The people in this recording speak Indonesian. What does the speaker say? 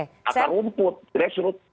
ini kata rumput resrute